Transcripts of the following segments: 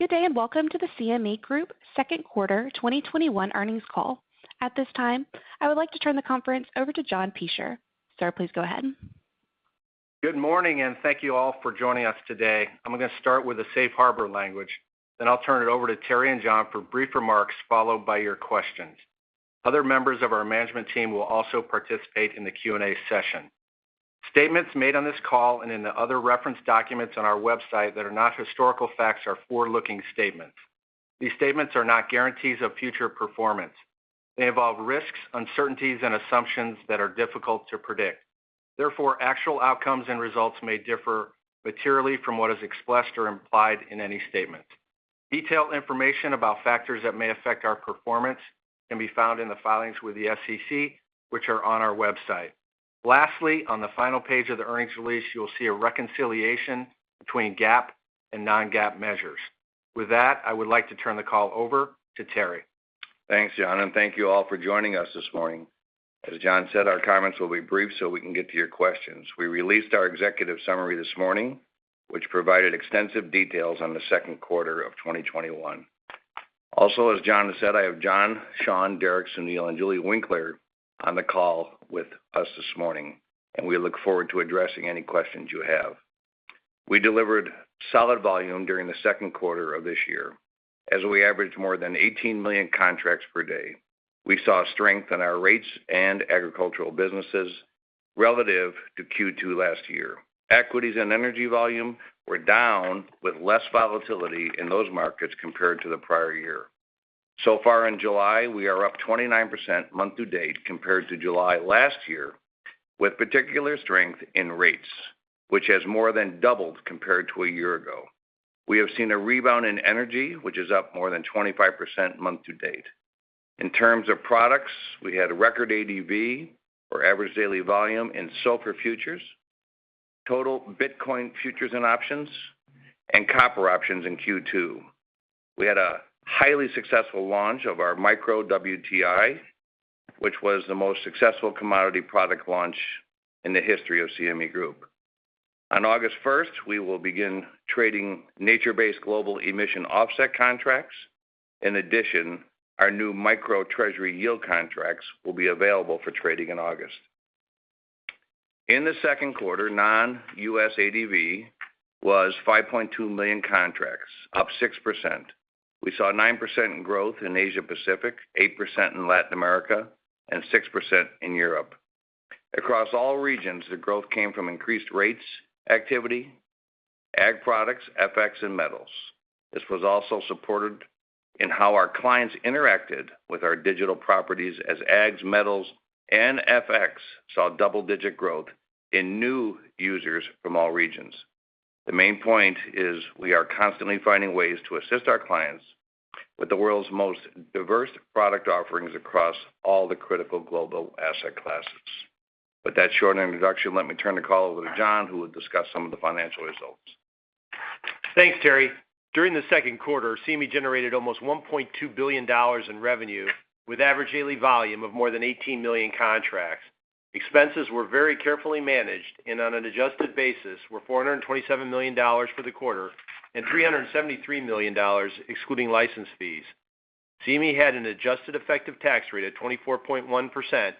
Good day, and welcome to the CME Group second quarter 2021 earnings call. At this time, I would like to turn the conference over to John Peschier. Sir, please go ahead. Good morning, thank you all for joining us today. I'm going to start with the safe harbor language, then I'll turn it over to Terry Duffy and John Peschier for brief remarks, followed by your questions. Other members of our management team will also participate in the Q&A session. Statements made on this call and in the other reference documents on our website that are not historical facts are forward-looking statements. These statements are not guarantees of future performance. They involve risks, uncertainties, and assumptions that are difficult to predict. Therefore, actual outcomes and results may differ materially from what is expressed or implied in any statement. Detailed information about factors that may affect our performance can be found in the filings with the SEC, which are on our website. Lastly, on the final page of the earnings release, you will see a reconciliation between GAAP and non-GAAP measures. With that, I would like to turn the call over to Terry. Thanks, John. Thank you all for joining us this morning. As John said, our comments will be brief so we can get to your questions. We released our executive summary this morning, which provided extensive details on the second quarter of 2021. Also, as John said, I have John, Sean, Derrick, Sunil, and Julie Winkler on the call with us this morning, and we look forward to addressing any questions you have. We delivered solid volume during the second quarter of this year, as we averaged more than 18 million contracts per day. We saw strength in our rates and agricultural businesses relative to Q2 last year. Equities and energy volume were down with less volatility in those markets compared to the prior year. Far in July, we are up 29% month-to-date compared to July last year, with particular strength in rates, which has more than doubled compared to a year ago. We have seen a rebound in energy, which is up more than 25% month-to-date. In terms of products, we had a record ADV, or average daily volume, in SOFR futures, total Bitcoin futures and options, and copper options in Q2. We had a highly successful launch of our Micro WTI, which was the most successful commodity product launch in the history of CME Group. On August 1st, we will begin trading Nature-Based Global Emissions Offset contracts. In addition, our new Micro Treasury Yield contracts will be available for trading in August. In the second quarter, non-U.S. ADV was 5.2 million contracts, up 6%. We saw 9% growth in Asia Pacific, 8% in Latin America, and 6% in Europe. Across all regions, the growth came from increased rates activity, ags products, FX, and metals. This was also supported in how our clients interacted with our digital properties as ags, metals, and FX saw double-digit growth in new users from all regions. The main point is we are constantly finding ways to assist our clients with the world's most diverse product offerings across all the critical global asset classes. With that short introduction, let me turn the call over to John, who will discuss some of the financial results. Thanks, Terry. During the second quarter, CME generated almost $1.2 billion in revenue with average daily volume of more than 18 million contracts. Expenses were very carefully managed and on an adjusted basis were $427 million for the quarter and $373 million excluding license fees. CME had an adjusted effective tax rate of 24.1%,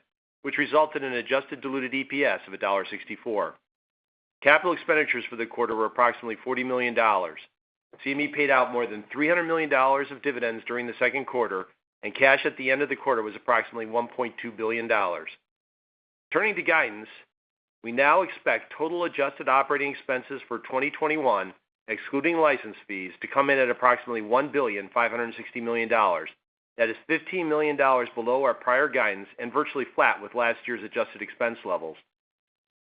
which resulted in adjusted diluted EPS of $1.64. Capital expenditures for the quarter were approximately $40 million. CME paid out more than $300 million of dividends during the second quarter, and cash at the end of the quarter was approximately $1.2 billion. We now expect total adjusted operating expenses for 2021, excluding license fees, to come in at approximately $1.560 billion. That is $15 million below our prior guidance and virtually flat with last year's adjusted expense levels.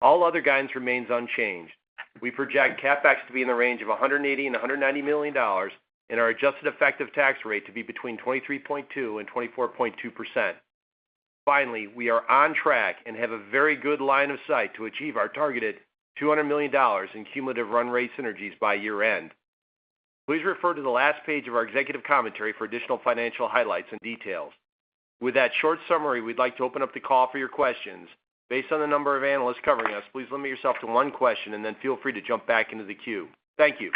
All other guidance remains unchanged. We project CapEx to be in the range of $180 million-$190 million and our adjusted effective tax rate to be between 23.2% and 24.2%. Finally, we are on track and have a very good line of sight to achieve our targeted $200 million in cumulative run rate synergies by year-end. Please refer to the last page of our executive commentary for additional financial highlights and details. With that short summary, we'd like to open up the call for your questions. Based on the number of analysts covering us, please limit yourself to one question and then feel free to jump back into the queue. Thank you.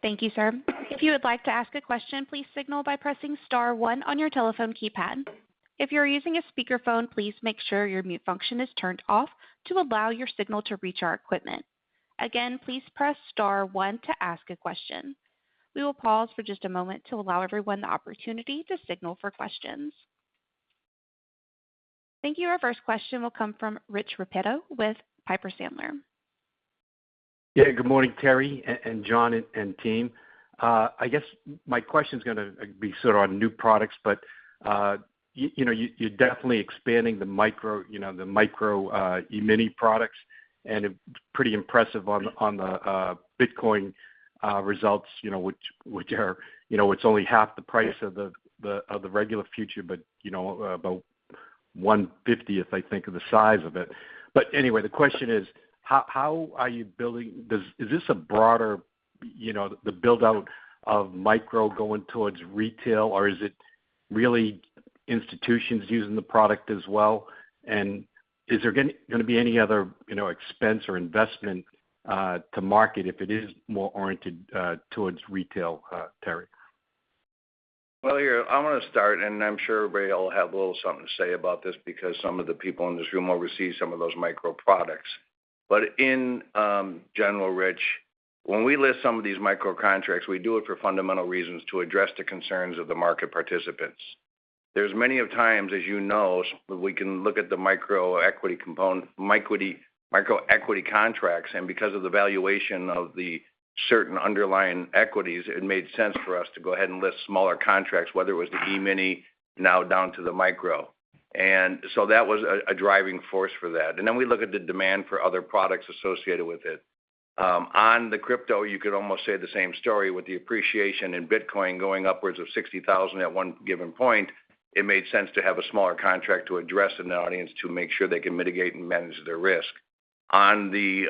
Thank you, sir. If you would like to ask a question, please signal by pressing star one on your telephone keypad. If you're using a speakerphone, please make sure your mute function is turned off to allow your signal to reach our equipment. Again, please press star one to ask a question. We will pause for just a moment to allow everyone the opportunity to signal for questions. Thank you. Our first question will come from Richard Repetto with Piper Sandler. Yeah, good morning, Terry and John and team. I guess my question's going to be sort of on new products, but you're definitely expanding the Micro E-mini products and pretty impressive on the Bitcoin results, which it's only half the price of the regular future, but about one-fiftieth, I think, of the size of it. The question is this a broader build-out of micro going towards retail, or is it really institutions using the product as well? Is there going to be any other expense or investment to market if it is more oriented towards retail, Terry? Well, here, I want to start, and I'm sure Ray will have a little something to say about this because some of the people in this room oversee some of those micro products. In general, Rich, when we list some of these micro contracts, we do it for fundamental reasons to address the concerns of the market participants. There's many of times, as you know, we can look at the micro equity contracts, and because of the valuation of the certain underlying equities, it made sense for us to go ahead and list smaller contracts, whether it was the E-mini now down to the micro. That was a driving force for that. Then we look at the demand for other products associated with it. On the crypto, you could almost say the same story with the appreciation in Bitcoin going upwards of $60,000 at one given point, it made sense to have a smaller contract to address an audience to make sure they can mitigate and manage their risk. On the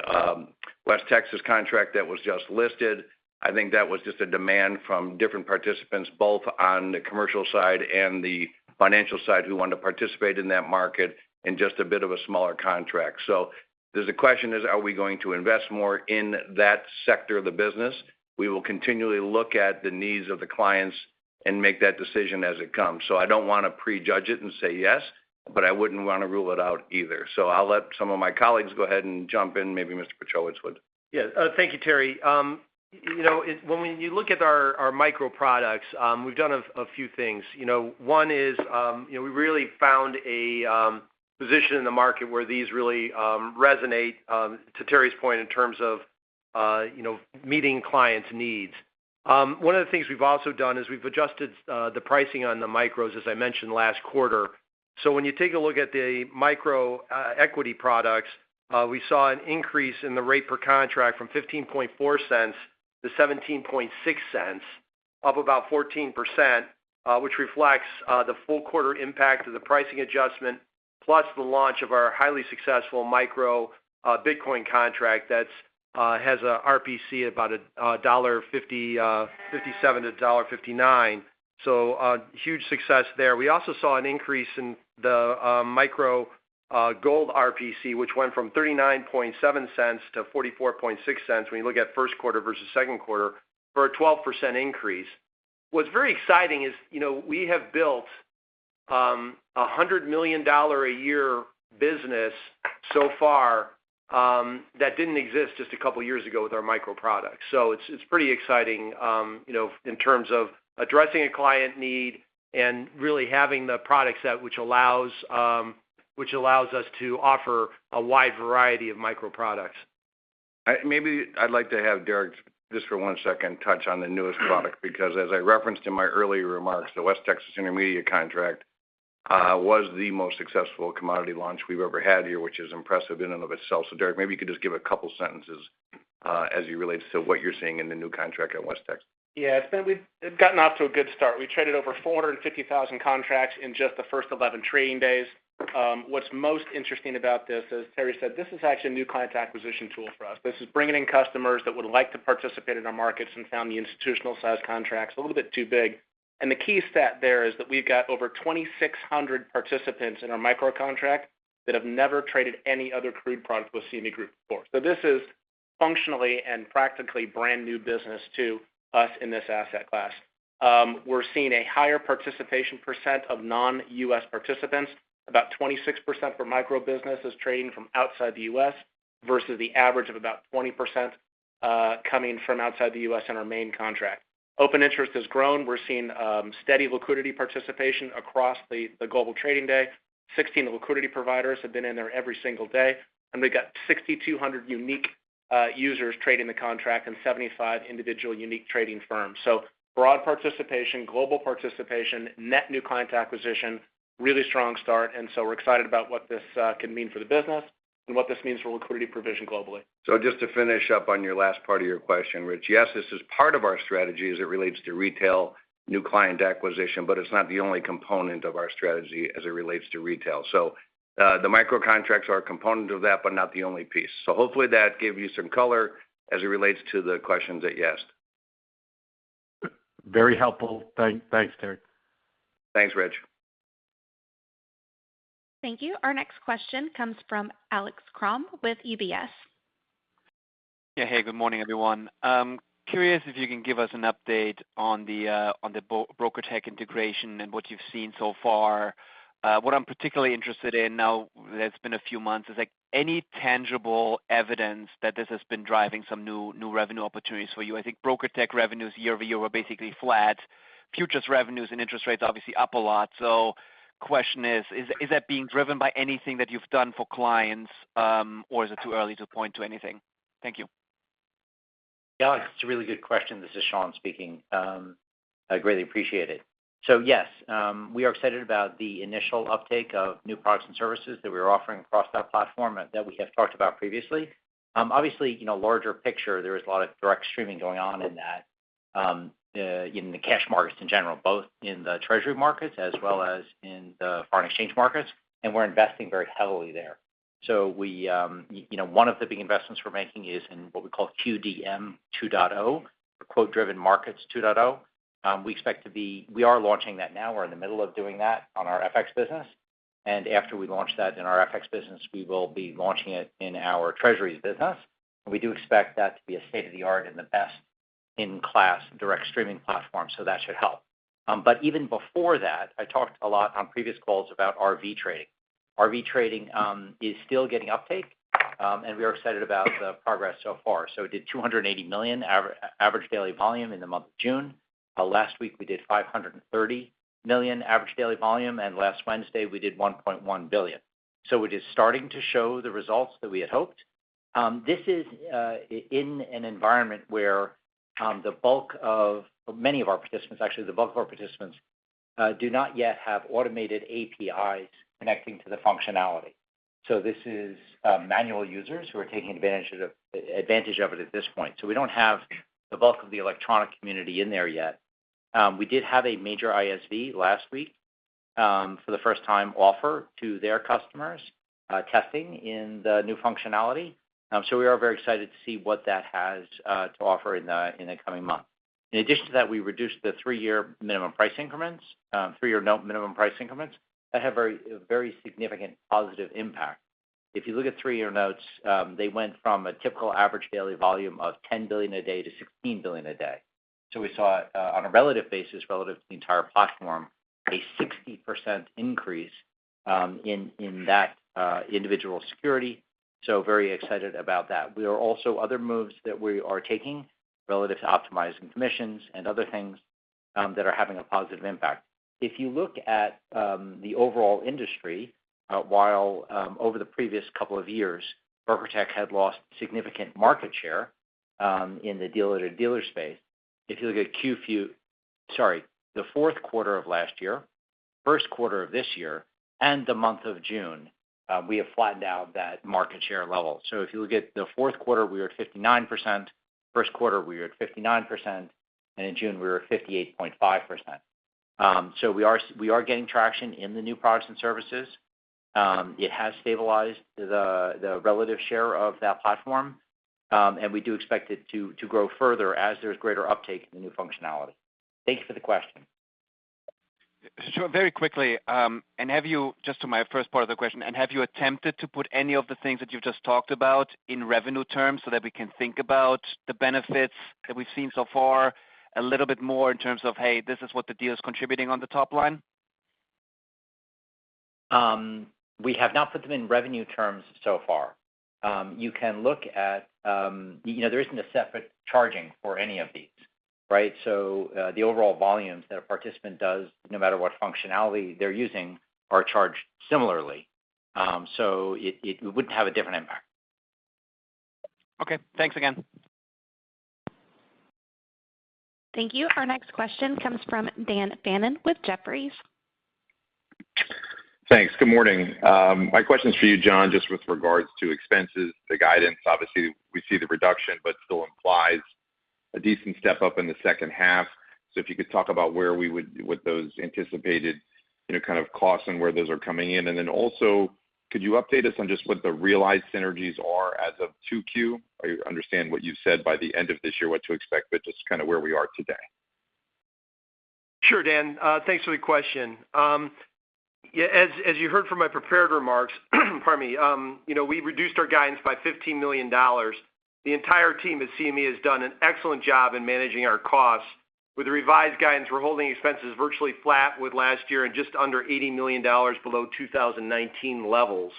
West Texas contract that was just listed, I think that was just a demand from different participants, both on the commercial side and the financial side, who wanted to participate in that market in just a bit of a smaller contract. The question is, are we going to invest more in that sector of the business? We will continually look at the needs of the clients and make that decision as it comes. I don't want to prejudge it and say yes, but I wouldn't want to rule it out either. I'll let some of my colleagues go ahead and jump in. Maybe Mr. Pietrowicz would. Yeah. Thank you, Terry. When you look at our Micro products, we've done a few things. One is we really found a position in the market where these really resonate, to Terry's point, in terms of meeting clients' needs. One of the things we've also done is we've adjusted the pricing on the micros, as I mentioned last quarter. When you take a look at the Micro equity products, we saw an increase in the rate per contract from $0.154 to $0.176, up about 14%, which reflects the full quarter impact of the pricing adjustment, plus the launch of our highly successful Micro Bitcoin contract that has a RPC about $1.57-$1.59. So a huge success there. We also saw an increase in the Micro Gold RPC, which went from $0.397 to $0.446 when you look at first quarter versus second quarter for a 12% increase. What's very exciting is we have built a $100 million a year business so far that didn't exist just a couple of years ago with our Micro products. It's pretty exciting in terms of addressing a client need and really having the product set which allows us to offer a wide variety of Micro products. I'd like to have Derek just for one second touch on the newest product because as I referenced in my earlier remarks, the West Texas Intermediate contract was the most successful commodity launch we've ever had here which is impressive in and of itself. Derek, maybe you could just give a couple sentences as it relates to what you're seeing in the new contract at West Texas. It's gotten off to a good start. We traded over 450,000 contracts in just the first 11 trading days. What's most interesting about this, as Terry said, this is actually a new client acquisition tool for us. This is bringing in customers that would like to participate in our markets and found the institutional-sized contracts a little bit too big. The key stat there is that we've got over 2,600 participants in our micro contract that have never traded any other crude product with CME Group before. This is functionally and practically brand new business to us in this asset class. We're seeing a higher participation % of non-U.S. participants. About 26% for micro business is trading from outside the U.S., versus the average of about 20% coming from outside the U.S. in our main contract. Open interest has grown. We're seeing steady liquidity participation across the global trading day. 16 liquidity providers have been in there every single day. We've got 6,200 unique users trading the contract and 75 individual unique trading firms. Broad participation, global participation, net new client acquisition, really strong start, and so we're excited about what this can mean for the business and what this means for liquidity provision globally. Just to finish up on your last part of your question, Rich, yes, this is part of our strategy as it relates to retail, new client acquisition, but it's not the only component of our strategy as it relates to retail. The micro contracts are a component of that, but not the only piece. Hopefully that gave you some color as it relates to the questions that you asked. Very helpful. Thanks, Terry. Thanks, Rich. Thank you. Our next question comes from Alex Kramm with UBS. Yeah. Hey, good morning, everyone. Curious if you can give us an update on the BrokerTec integration and what you've seen so far. What I'm particularly interested in now that it's been a few months is any tangible evidence that this has been driving some new revenue opportunities for you. I think BrokerTec revenues year-over-year were basically flat. Futures revenues and interest rates obviously up a lot. Question is that being driven by anything that you've done for clients, or is it too early to point to anything? Thank you. Alex, it's a really good question. This is Sean speaking. I greatly appreciate it. Yes, we are excited about the initial uptake of new products and services that we're offering across our platform that we have talked about previously. Obviously, larger picture, there is a lot of direct streaming going on in that, in the cash markets in general, both in the Treasury markets as well as in the foreign exchange markets, and we're investing very heavily there. One of the big investments we're making is in what we call QDM 2.0 Quote-driven Markets 2.0, we are launching that now. We're in the middle of doing that on our FX business. After we launch that in our FX business, we will be launching it in our Treasuries business. We do expect that to be a state-of-the-art and the best-in-class direct streaming platform, that should help. Even before that, I talked a lot on previous calls about RV trading. RV trading is still getting uptake, and we are excited about the progress so far. It did 280 million average daily volume in the month of June. Last week, we did 530 million average daily volume, and last Wednesday, we did 1.1 billion. It is starting to show the results that we had hoped. This is in an environment where the bulk of many of our participants, actually the bulk of our participants, do not yet have automated APIs connecting to the functionality. This is manual users who are taking advantage of it at this point. We don't have the bulk of the electronic community in there yet. We did have a major ISV last week, for the first time, offer to their customers, testing in the new functionality. We are very excited to see what that has to offer in the coming month. In addition to that, we reduced the three-year minimum price increments that have very significant positive impact. If you look at three-year notes, they went from a typical average daily volume of $10 billion a day to $16 billion a day. We saw, on a relative basis, relative to the entire platform, a 60% increase in that individual security, so very excited about that. There are also other moves that we are taking relative to optimizing commissions and other things that are having a positive impact. If you look at the overall industry, while over the previous couple of years, BrokerTec had lost significant market share in the dealer-to-dealer space. If you look at, sorry, the fourth quarter of last year, first quarter of this year, and the month of June, we have flattened out that market share level. If you look at the fourth quarter, we are at 59%, first quarter, we are at 59%, and in June, we were 58.5%. We are getting traction in the new products and services. It has stabilized the relative share of that platform, and we do expect it to grow further as there's greater uptake in the new functionality. Thank you for the question. Sure. Very quickly, Just to my first part of the question, and have you attempted to put any of the things that you've just talked about in revenue terms so that we can think about the benefits that we've seen so far a little bit more in terms of, "Hey, this is what the deal is contributing on the top line"? We have not put them in revenue terms so far. There isn't a separate charging for any of these, right? The overall volumes that a participant does, no matter what functionality they're using, are charged similarly. It wouldn't have a different impact. Okay. Thanks again. Thank you. Our next question comes from Daniel Fannon with Jefferies. Thanks. Good morning. My question's for you, John, just with regards to expenses, the guidance. Obviously, we see the reduction, still implies a decent step-up in the second half. If you could talk about what those anticipated kind of costs and where those are coming in. Also, could you update us on just what the realized synergies are as of 2Q? I understand what you've said by the end of this year, what to expect, just kind of where we are today. Sure, Dan. Thanks for the question. As you heard from my prepared remarks, pardon me, we reduced our guidance by $15 million. The entire team at CME has done an excellent job in managing our costs. With the revised guidance, we're holding expenses virtually flat with last year and just under $80 million below 2019 levels.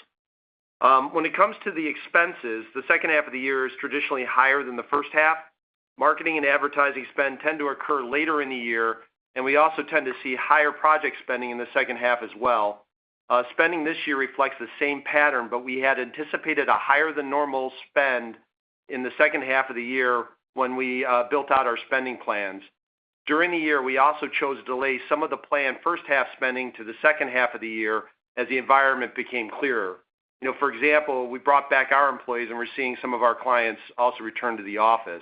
When it comes to the expenses, the second half of the year is traditionally higher than the first half. Marketing and advertising spend tend to occur later in the year, and we also tend to see higher project spending in the second half as well. Spending this year reflects the same pattern, but we had anticipated a higher-than-normal spend in the second half of the year when we built out our spending plans. During the year, we also chose to delay some of the planned first-half spending to the second half of the year as the environment became clearer. For example, we brought back our employees, and we're seeing some of our clients also return to the office.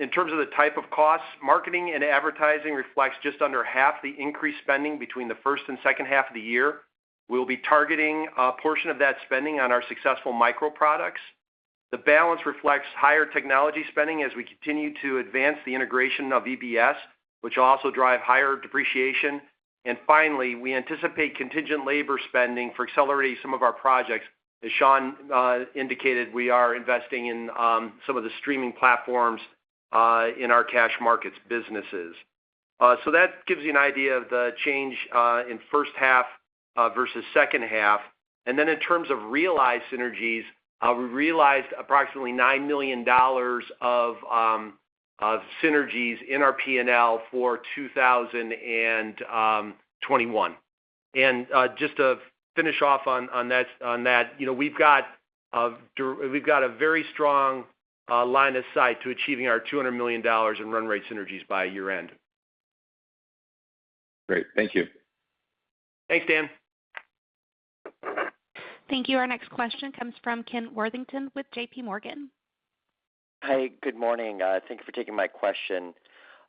In terms of the type of costs, marketing and advertising reflects just under half the increased spending between the first and second half of the year. We'll be targeting a portion of that spending on our successful micro products. The balance reflects higher technology spending as we continue to advance the integration of EBS, which will also drive higher depreciation. Finally, we anticipate contingent labor spending for accelerating some of our projects. As Sean indicated, we are investing in some of the streaming platforms in our cash markets businesses. That gives you an idea of the change in first half versus second half. In terms of realized synergies, we realized approximately $9 million of synergies in our P&L for 2021. Just to finish off on that, we've got a very strong line of sight to achieving our $200 million in run rate synergies by year-end. Great. Thank you. Thanks, Daniel. Thank you. Our next question comes from Kenneth Worthington with JPMorgan. Hi, good morning. Thank you for taking my question.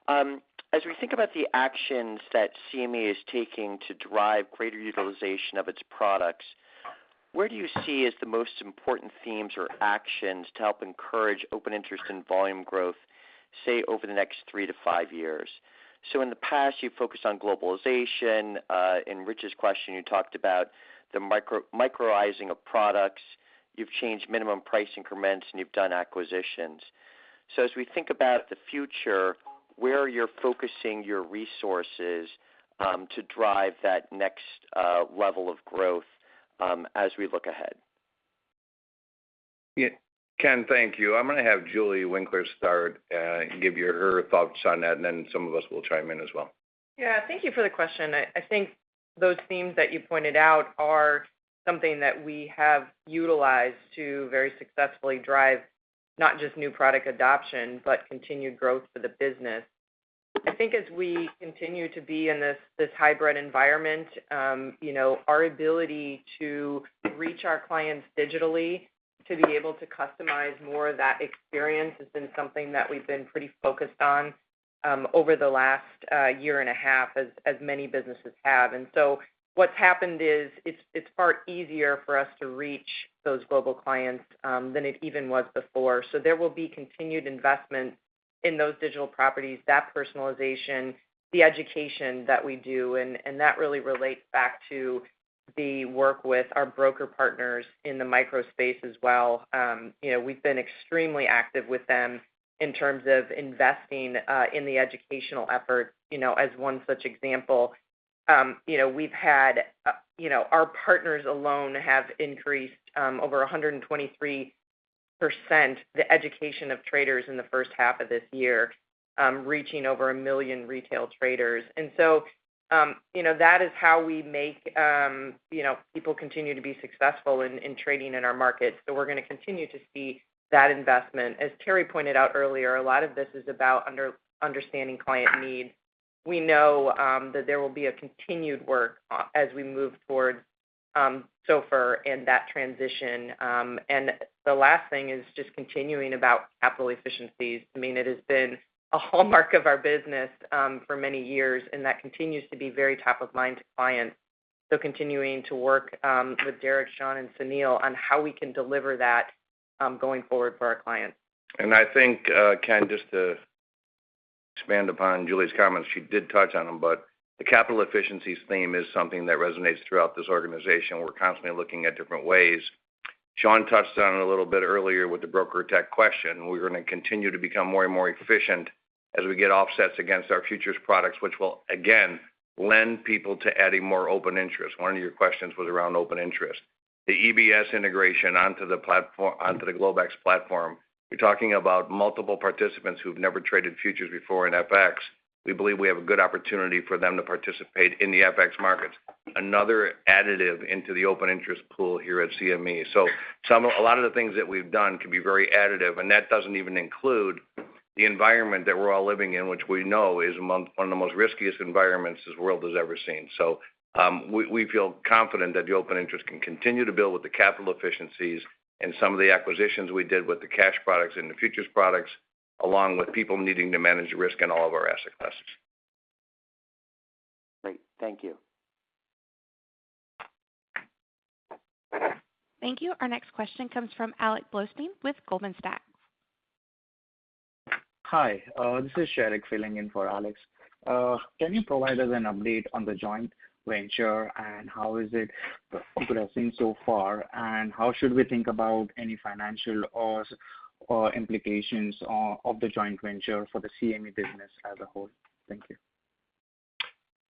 As we think about the actions that CME is taking to drive greater utilization of its products, where do you see as the most important themes or actions to help encourage open interest and volume growth, say, over the next three to five years? In the past, you've focused on globalization. In Rich's question, you talked about the microizing of products. You've changed minimum price increments, and you've done acquisitions. As we think about the future, where you're focusing your resources to drive that next level of growth as we look ahead? Ken, thank you. I'm going to have Julie Winkler start and give you her thoughts on that, and then some of us will chime in as well. Yeah. Thank you for the question. I think those themes that you pointed out are something that we have utilized to very successfully drive not just new product adoption but continued growth for the business. I think as we continue to be in this hybrid environment, our ability to reach our clients digitally, to be able to customize more of that experience has been something that we've been pretty focused on over the last year and a half as many businesses have. What's happened is it's far easier for us to reach those global clients than it even was before. There will be continued investment in those digital properties, that personalization, the education that we do, and that really relates back to the work with our broker partners in the micro space as well. We've been extremely active with them in terms of investing in the educational efforts. As one such example, our partners alone have increased over 123% the education of traders in the first half of this year, reaching over one million retail traders. That is how we make people continue to be successful in trading in our markets. We're going to continue to see that investment. As Terry pointed out earlier, a lot of this is about understanding client needs. We know that there will be a continued work as we move towards SOFR and that transition. The last thing is just continuing about capital efficiencies. It has been a hallmark of our business for many years, and that continues to be very top of mind to clients. Continuing to work with Derek, Sean, and Sunil on how we can deliver that going forward for our clients. I think, Ken, just to expand upon Julie's comments, she did touch on them, but the capital efficiencies theme is something that resonates throughout this organization. We're constantly looking at different ways. Sean touched on it a little bit earlier with the BrokerTec question. We're going to continue to become more and more efficient as we get offsets against our futures products, which will, again, lend people to adding more open interest. One of your questions was around open interest. The EBS integration onto the Globex platform, you're talking about multiple participants who've never traded futures before in FX. We believe we have a good opportunity for them to participate in the FX markets, another additive into the open interest pool here at CME Group. A lot of the things that we've done can be very additive, and that doesn't even include the environment that we're all living in, which we know is one of the riskiest environments this world has ever seen. We feel confident that the open interest can continue to build with the capital efficiencies and some of the acquisitions we did with the cash products and the futures products, along with people needing to manage risk in all of our asset classes. Great. Thank you. Thank you. Our next question comes from Alexander Blostein with Goldman Sachs. Hi. This is Sheriq filling in for Alex. Can you provide us an update on the joint venture and how is it progressing so far, and how should we think about any financial or implications of the joint venture for the CME business as a whole? Thank you.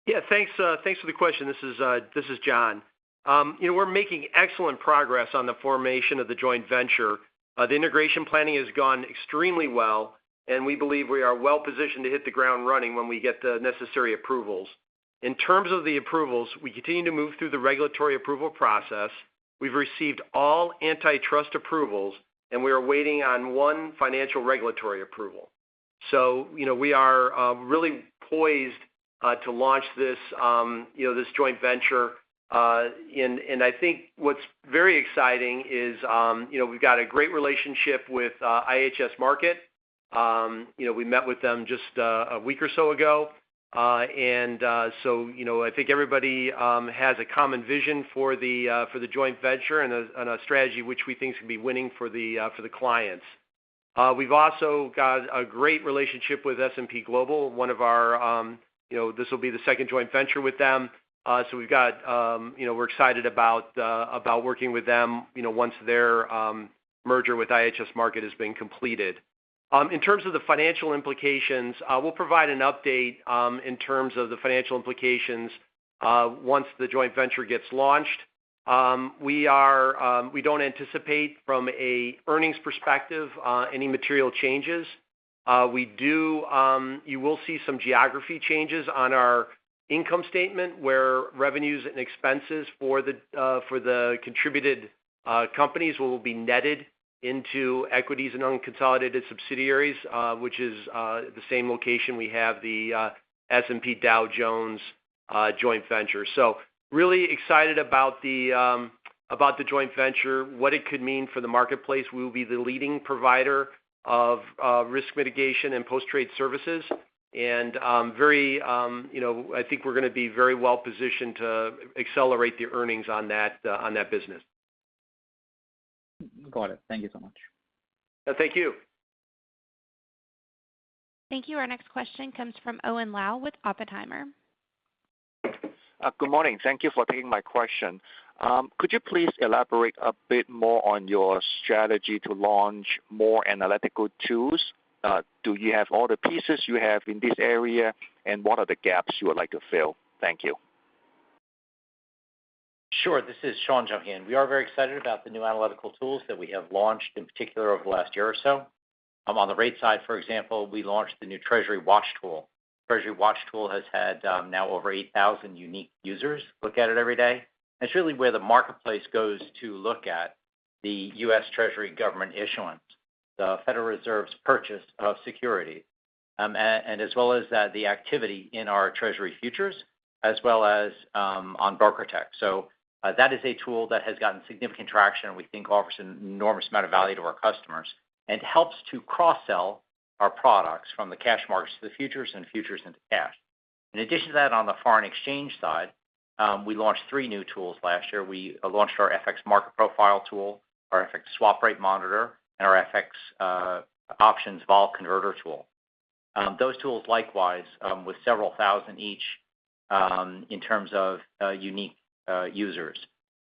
Yeah. Thanks for the question. This is John. We're making excellent progress on the formation of the joint venture. The integration planning has gone extremely well, and we believe we are well-positioned to hit the ground running when we get the necessary approvals. In terms of the approvals, we continue to move through the regulatory approval process. We've received all antitrust approvals, and we are waiting on one financial regulatory approval. We are really poised to launch this joint venture. I think what's very exciting is we've got a great relationship with IHS Markit. We met with them just a week or so ago. I think everybody has a common vision for the joint venture and a strategy which we think is going to be winning for the clients. We've also got a great relationship with S&P Global. This will be the second joint venture with them. We're excited about working with them once their merger with IHS Markit has been completed. In terms of the financial implications, we'll provide an update in terms of the financial implications once the joint venture gets launched. We don't anticipate, from an earnings perspective, any material changes. You will see some geography changes on our income statement where revenues and expenses for the contributed companies will be netted into equities and unconsolidated subsidiaries, which is the same location we have the S&P Dow Jones joint venture. About the joint venture, what it could mean for the marketplace. We will be the leading provider of risk mitigation and post-trade services. I think we're going to be very well-positioned to accelerate the earnings on that business. Got it. Thank you so much. Thank you. Thank you. Our next question comes from Owen Lau with Oppenheimer. Good morning. Thank you for taking my question. Could you please elaborate a bit more on your strategy to launch more analytical tools? Do you have all the pieces you have in this area, and what are the gaps you would like to fill? Thank you. Sure. This is Sean jumps in. We are very excited about the new analytical tools that we have launched, in particular, over the last year or so. On the rate side, for example, we launched the new TreasuryWatch tool. TreasuryWatch tool has had now over 8,000 unique users look at it every day, and it's really where the marketplace goes to look at the U.S. Treasury government issuance, the Federal Reserve's purchase of securities, and as well as the activity in our Treasury futures, as well as on BrokerTec. That is a tool that has gotten significant traction and we think offers an enormous amount of value to our customers and helps to cross-sell our products from the cash markets to the futures and futures into cash. In addition to that, on the foreign exchange side, we launched three new tools last year. We launched our FX Market Profile tool, our FX Swap Rate Monitor, and our FX Options Vol Converter tool. Those tools, likewise, with several thousand each in terms of unique users.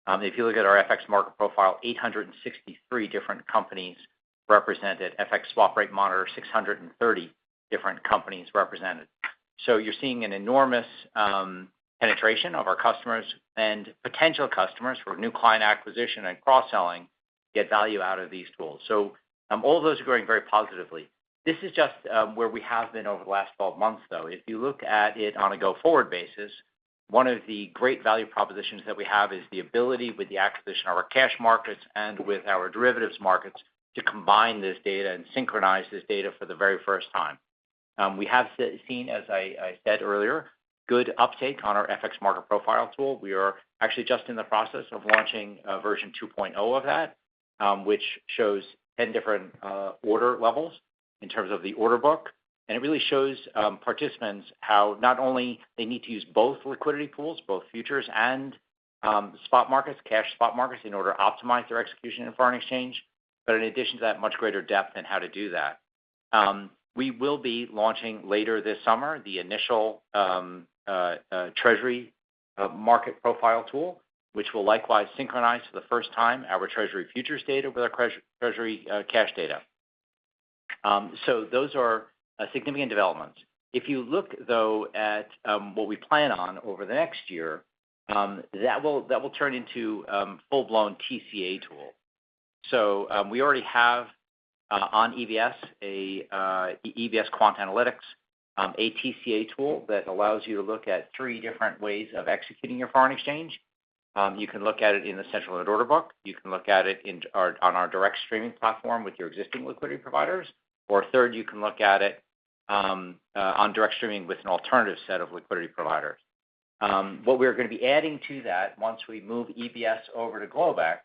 If you look at our FX Market Profile, 863 different companies represented. FX Swap Rate Monitor, 630 different companies represented. You're seeing an enormous penetration of our customers and potential customers for new client acquisition and cross-selling get value out of these tools. All those are growing very positively. This is just where we have been over the last 12 months, though. If you look at it on a go-forward basis, one of the great value propositions that we have is the ability, with the acquisition of our cash markets and with our derivatives markets, to combine this data and synchronize this data for the very first time. We have seen, as I said earlier, good uptake on our FX Market Profile tool. We are actually just in the process of launching version 2.0 of that, which shows 10 different order levels in terms of the order book, and it really shows participants how not only they need to use both liquidity pools, both futures and spot markets, cash spot markets, in order to optimize their execution in foreign exchange, but in addition to that, much greater depth in how to do that. We will be launching later this summer the initial Treasury Market Profile tool, which will likewise synchronize for the first time our Treasury futures data with our Treasury cash data. Those are significant developments. If you look, though, at what we plan on over the next year, that will turn into a full-blown TCA tool. We already have on EBS EBS Quant Analytics, a TCA tool that allows you to look at three different ways of executing your foreign exchange. You can look at it in the central order book, you can look at it on our direct streaming platform with your existing liquidity providers, or third, you can look at it on direct streaming with an alternative set of liquidity providers. What we're going to be adding to that once we move EBS over to Globex,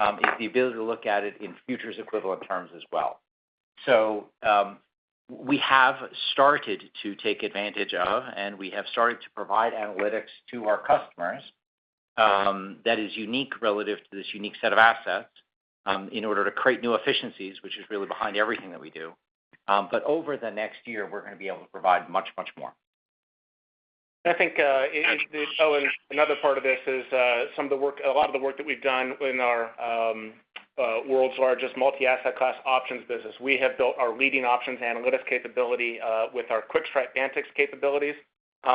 is the ability to look at it in futures equivalent terms as well. We have started to take advantage of, and we have started to provide analytics to our customers that is unique relative to this unique set of assets in order to create new efficiencies, which is really behind everything that we do. Over the next year, we're going to be able to provide much, much more. I think, Owen, another part of this is a lot of the work that we've done in our world's largest multi-asset class options business. We have built our leading options analytics capability with our QuikStrike analytics capabilities.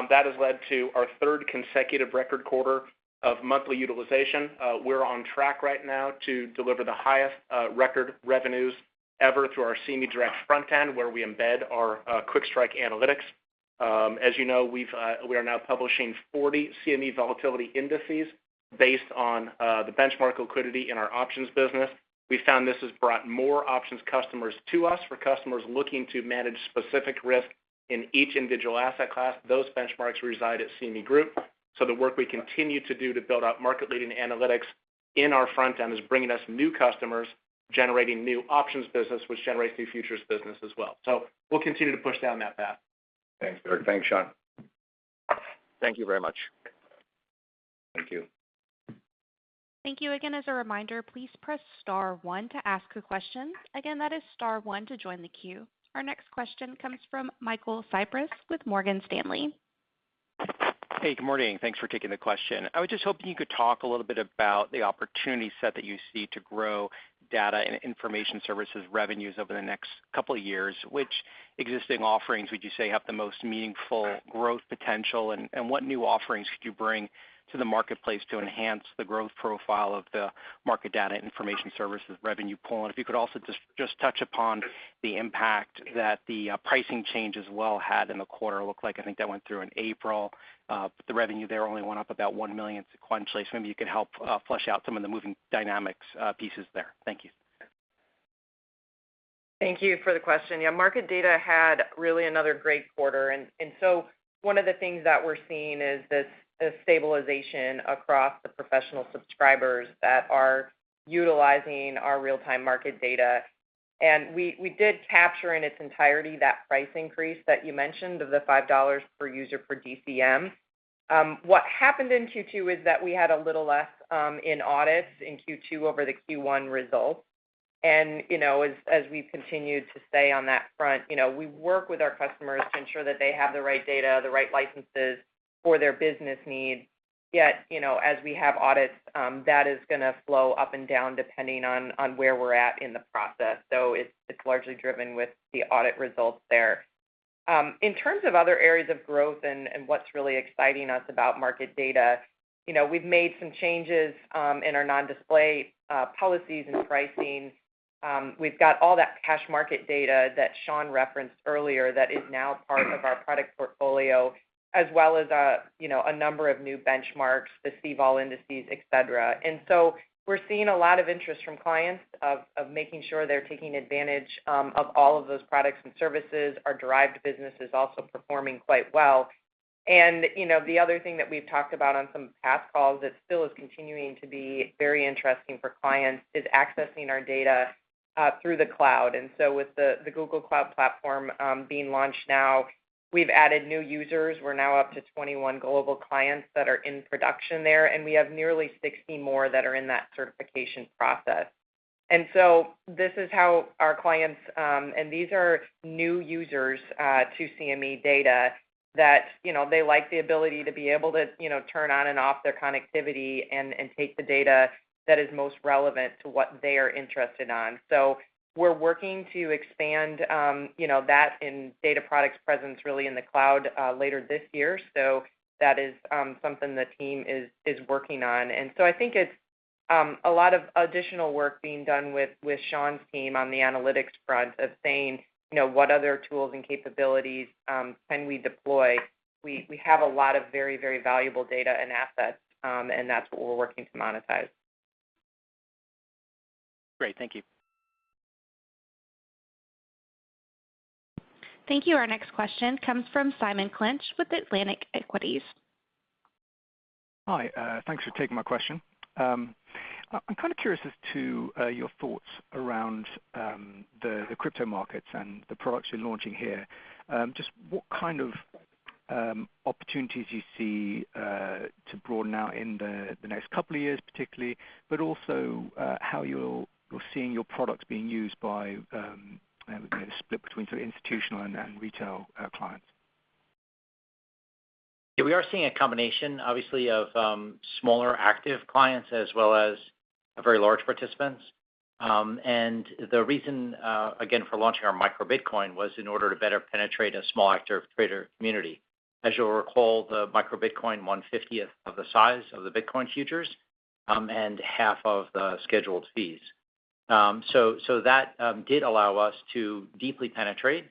That has led to our 3rd consecutive record quarter of monthly utilization. We're on track right now to deliver the highest record revenues ever through our CME Direct front end, where we embed our QuikStrike analytics. As you know, we are now publishing 40 CME volatility indices based on the benchmark liquidity in our options business. We found this has brought more options customers to us for customers looking to manage specific risk in each individual asset class. Those benchmarks reside at CME Group. The work we continue to do to build out market-leading analytics in our front end is bringing us new customers, generating new options business, which generates new futures business as well. We'll continue to push down that path. Thanks. Sure. Thanks, Sean. Thank you very much. Thank you. Thank you. As a reminder, please press star one to ask a question. That is star one to join the queue. Our next question comes from Michael Cyprys with Morgan Stanley. Hey, good morning. Thanks for taking the question. I was just hoping you could talk a little bit about the opportunity set that you see to grow data and information services revenues over the next couple of years. Which existing offerings would you say have the most meaningful growth potential, and what new offerings could you bring to the marketplace to enhance the growth profile of the market data information services revenue pool? If you could also just touch upon the impact that the pricing change as well had in the quarter. I think that went through in April, the revenue there only went up about $1 million sequentially. Maybe you could help flesh out some of the moving dynamics pieces there. Thank you. Thank you for the question. Yeah, Market Data had really another great quarter. One of the things that we're seeing is this stabilization across the professional subscribers that are utilizing our real-time market data. We did capture in its entirety that price increase that you mentioned of the $5 per user for DCM. What happened in Q2 is that we had a little less in audits in Q2 over the Q1 results. As we've continued to stay on that front, we work with our customers to ensure that they have the right data, the right licenses for their business needs. As we have audits, that is going to flow up and down depending on where we're at in the process. It's largely driven with the audit results there. In terms of other areas of growth and what's really exciting us about market data, we've made some changes in our non-display policies and pricing. We've got all that cash market data that Sean referenced earlier that is now part of our product portfolio as well as a number of new benchmarks, the CVOL indices, et cetera. We're seeing a lot of interest from clients of making sure they're taking advantage of all of those products and services. Our derived business is also performing quite well. The other thing that we've talked about on some past calls that still is continuing to be very interesting for clients is accessing our data through the cloud. With the Google Cloud platform being launched now, we've added new users. We're now up to 21 global clients that are in production there, and we have nearly 60 more that are in that certification process. This is how our clients-- and these are new users to CME Data that they like the ability to be able to turn on and off their connectivity and take the data that is most relevant to what they are interested in. We're working to expand that in data products presence really in the cloud later this year. That is something the team is working on. I think it's a lot of additional work being done with Sean's team on the analytics front of saying, what other tools and capabilities can we deploy. We have a lot of very valuable data and assets, and that's what we're working to monetize. Great. Thank you. Thank you. Our next question comes from Simon Clinch with Atlantic Equities. Hi, thanks for taking my question. I'm kind of curious as to your thoughts around the crypto markets and the products you're launching here. Just what kind of opportunities you see to broaden out in the next two years particularly, but also how you're seeing your products being used by, I don't know, the split between sort of institutional and retail clients. We are seeing a combination, obviously, of smaller active clients as well as very large participants. The reason, again, for launching our Micro Bitcoin was in order to better penetrate a small active trader community. As you'll recall, the Micro Bitcoin, 1/50 of the size of the Bitcoin futures and half of the scheduled fees. That did allow us to deeply penetrate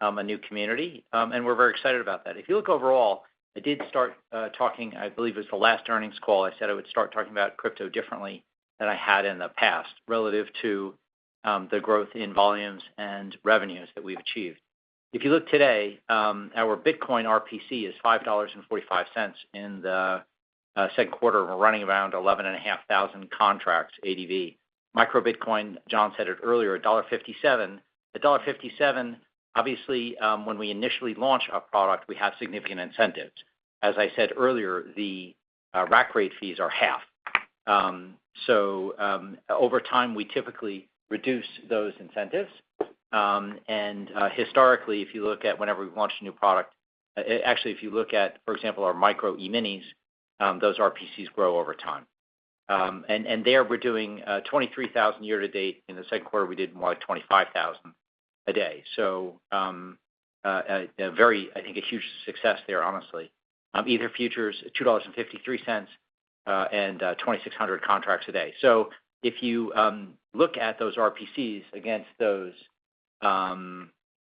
a new community, and we're very excited about that. If you look overall, I did start talking, I believe it was the last earnings call, I said I would start talking about crypto differently than I had in the past relative to the growth in volumes and revenues that we've achieved. If you look today, our Bitcoin RPC is $5.45 in the second quarter. We're running around 11,500 contracts ADV. Micro Bitcoin, John said it earlier, $1.57. $1.57, obviously, when we initially launch a product, we have significant incentives. As I said earlier, the rack rate fees are half. Over time, we typically reduce those incentives. Historically, if you look at whenever we launch a new product, actually, if you look at, for example, our Micro E-mini, those RPCs grow over time. There we're doing 23,000 year to date. In the second quarter, we did more like 25,000 a day. A very, I think, a huge success there, honestly. Ether futures, $2.53 and 2,600 contracts a day. If you look at those RPCs against those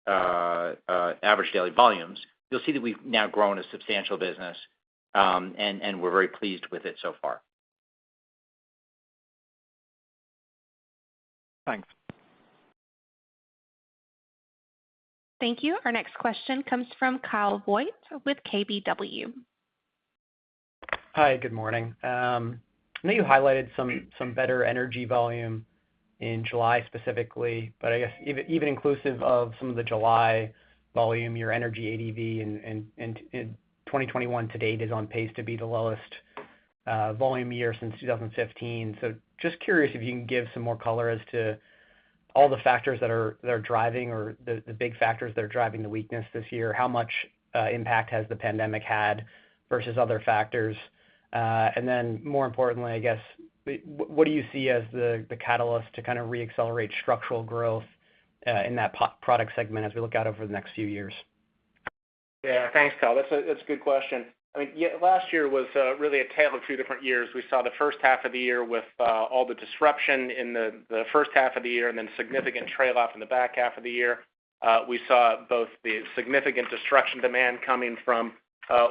average daily volumes, you'll see that we've now grown a substantial business, and we're very pleased with it so far. Thanks. Thank you. Our next question comes from Kyle Voight with KBW. Hi, good morning. I know you highlighted some better energy volume in July specifically, but I guess even inclusive of some of the July volume, your energy ADV in 2021 to date is on pace to be the lowest volume year since 2015. Just curious if you can give some more color as to all the factors that are driving or the big factors that are driving the weakness this year. How much impact has the pandemic had versus other factors? More importantly, I guess, what do you see as the catalyst to kind of re-accelerate structural growth in that product segment as we look out over the next few years? Yeah. Thanks, Kyle. That's a good question. Last year was really a tale of two different years. We saw the first half of the year with all the disruption in the first half of the year and then significant trail off in the back half of the year. We saw both the significant destruction demand coming from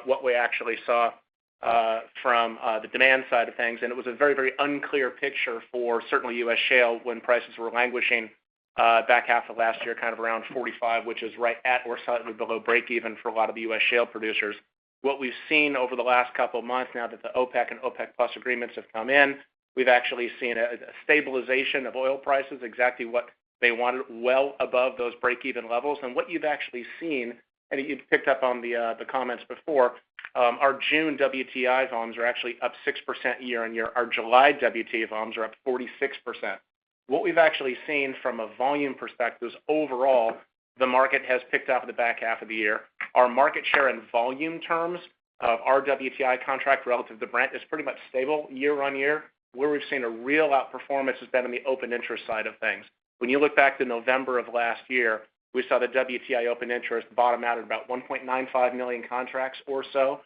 what we actually saw From the demand side of things, it was a very, very unclear picture for certainly U.S. shale when prices were languishing back half of last year, kind of around $45, which is right at or slightly below breakeven for a lot of the U.S. shale producers. What we've seen over the last couple of months now that the OPEC and OPEC+ agreements have come in, we've actually seen a stabilization of oil prices, exactly what they wanted, well above those breakeven levels. What you've actually seen, I think you've picked up on the comments before, our June WTI volumes are actually up 6% year-over-year. Our July WTI volumes are up 46%. What we've actually seen from a volume perspective is overall the market has picked up the back half of the year. Our market share in volume terms of our WTI contract relative to Brent is pretty much stable year-over-year. Where we've seen a real outperformance has been in the open interest side of things. When you look back to November of last year, we saw the WTI open interest bottom out at about 1.95 million contracts or so.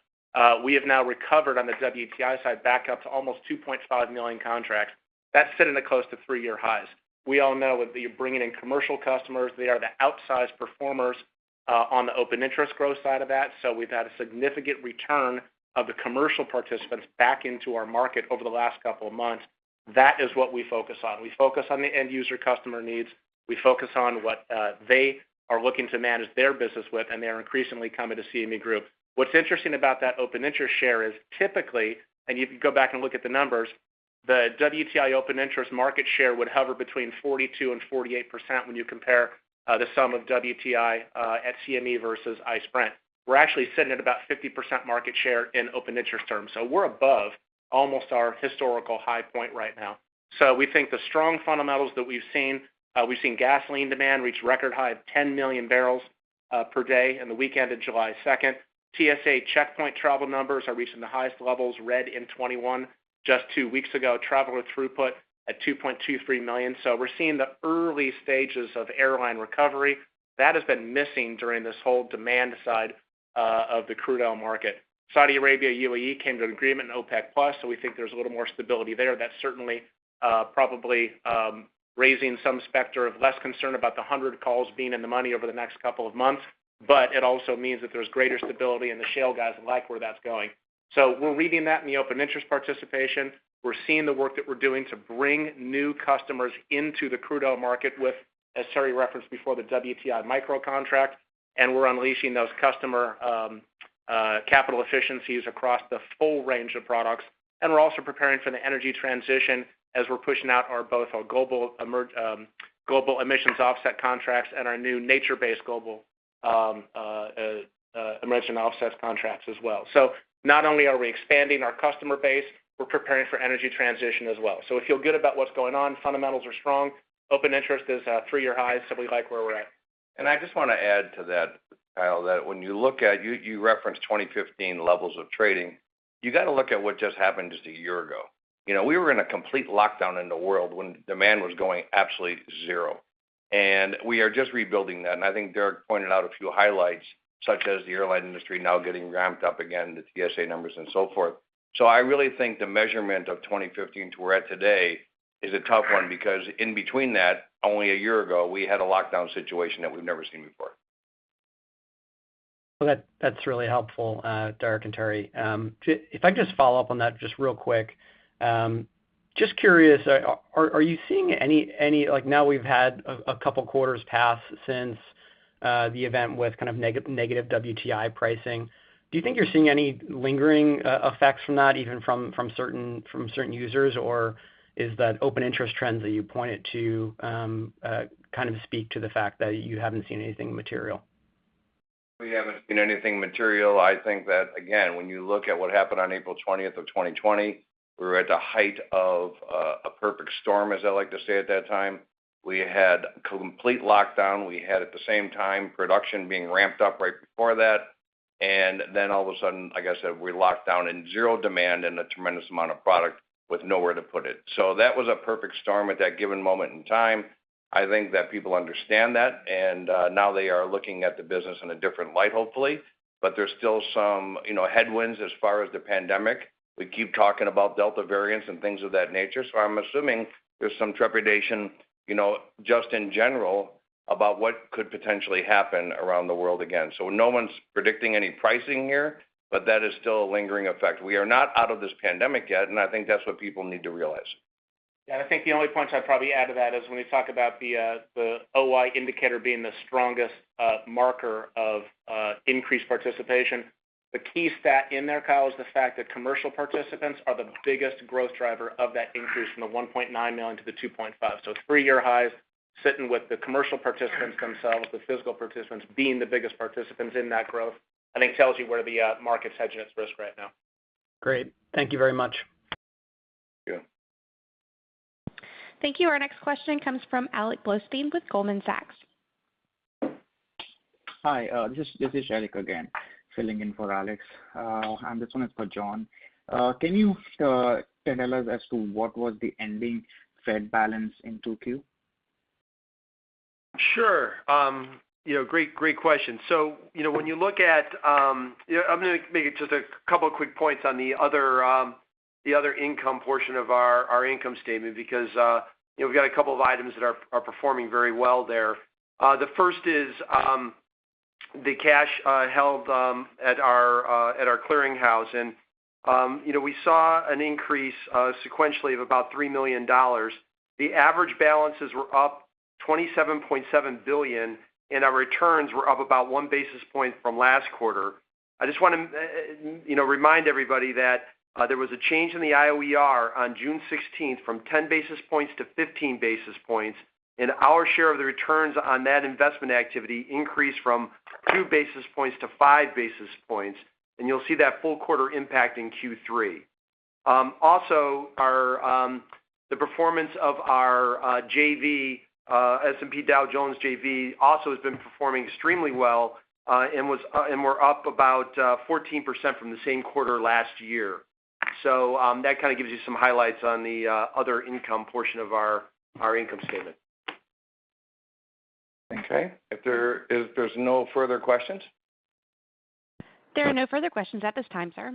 We have now recovered on the WTI side back up to almost 2.5 million contracts. That's sitting at close to three-year highs. We all know with the bringing in commercial customers, they are the outsized performers on the open interest growth side of that, so we've had a significant return of the commercial participants back into our market over the last couple of months. That is what we focus on. We focus on the end user customer needs. We focus on what they are looking to manage their business with, and they're increasingly coming to CME Group. What's interesting about that open interest share is typically, and you can go back and look at the numbers, the WTI open interest market share would hover between 42%-48% when you compare the sum of WTI at CME versus ICE Brent. We're actually sitting at about 50% market share in open interest terms. We're above almost our historical high point right now. We think the strong fundamentals that we've seen, we've seen gasoline demand reach record high of 10 million barrels per day in the weekend of July 2nd. TSA checkpoint travel numbers are reaching the highest levels read in 2021. Just two weeks ago, traveler throughput at 2.23 million. We're seeing the early stages of airline recovery. That has been missing during this whole demand side of the crude oil market. Saudi Arabia, UAE came to an agreement in OPEC+. We think there's a little more stability there. That's certainly probably raising some specter of less concern about the 100 calls being in the money over the next couple of months. It also means that there's greater stability, and the shale guys like where that's going. We're reading that in the open interest participation. We're seeing the work that we're doing to bring new customers into the crude oil market with, as Terry referenced before, the Micro WTI, and we're unleashing those customer capital efficiencies across the full range of products. We're also preparing for the energy transition as we're pushing out both our Global Emissions Offset futures and our new Nature-Based Global Emissions Offset contracts as well. Not only are we expanding our customer base, we're preparing for energy transition as well. We feel good about what's going on. Fundamentals are strong. Open interest is at three-year highs, so we like where we're at. I just want to add to that, Kyle, that when you look at, you referenced 2015 levels of trading, you got to look at what just happened just a year ago. We were in a complete lockdown in the world when demand was going absolutely zero. We are just rebuilding that, and I think Derek pointed out a few highlights, such as the airline industry now getting ramped up again, the TSA numbers and so forth. I really think the measurement of 2015 to where we're at today is a tough one because in between that, only a year ago, we had a lockdown situation that we've never seen before. Well, that's really helpful, Derek and Terry. If I just follow up on that just real quick, just curious, are you seeing any, like now we've had a couple quarters pass since the event with kind of negative WTI pricing, do you think you're seeing any lingering effects from that, even from certain users, or is that open interest trends that you pointed to kind of speak to the fact that you haven't seen anything material? We haven't seen anything material. I think that, again, when you look at what happened on April 20th of 2020, we were at the height of a perfect storm, as I like to say at that time. We had complete lockdown. We had, at the same time, production being ramped up right before that. Then all of a sudden, like I said, we locked down and zero demand and a tremendous amount of product with nowhere to put it. That was a perfect storm at that given moment in time. I think that people understand that. Now they are looking at the business in a different light, hopefully. There's still some headwinds as far as the pandemic. We keep talking about Delta variants and things of that nature. I'm assuming there's some trepidation just in general about what could potentially happen around the world again. No one's predicting any pricing here, but that is still a lingering effect. We are not out of this pandemic yet, and I think that's what people need to realize. Yeah, I think the only point I'd probably add to that is when we talk about the OI indicator being the strongest marker of increased participation, the key stat in there, Kyle, is the fact that commercial participants are the biggest growth driver of that increase from the 1.9 million to the 2.5. It's three-year highs sitting with the commercial participants themselves, the physical participants being the biggest participants in that growth, I think tells you where the market's hedging its risk right now. Great. Thank you very much. Yeah. Thank you. Our next question comes from Alex Blostein with Goldman Sachs. Hi, this is Sheriq again, filling in for Alex. This one is for John. Can you tell us as to what was the ending Fed balance in 2Q? Sure. Great question. I'm going to make it just a couple quick points on the other income portion of our income statement because we've got a couple of items that are performing very well there. The first is the cash held at our clearinghouse, and we saw an increase sequentially of about $3 million. The average balances were up $27.7 billion, and our returns were up about 1 basis point from last quarter. I just want to remind everybody that there was a change in the IOER on June 16th from 10 basis points to 15 basis points, and our share of the returns on that investment activity increased from 2 basis points to 5 basis points, and you'll see that full quarter impact in Q3. The performance of our S&P Dow Jones Indices also has been performing extremely well, and we're up about 14% from the same quarter last year. That kind of gives you some highlights on the other income portion of our income statement. Okay. If there's no further questions? There are no further questions at this time, sir.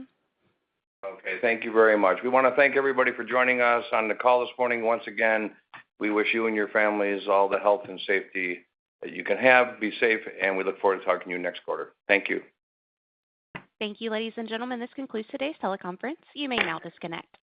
Okay. Thank you very much. We want to thank everybody for joining us on the call this morning. Once again, we wish you and your families all the health and safety that you can have. Be safe, and we look forward to talking to you next quarter. Thank you. Thank you, ladies and gentlemen. This concludes today's teleconference. You may now disconnect.